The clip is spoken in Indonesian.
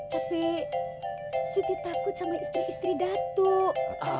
tapi sedikit takut sama istri istri datuk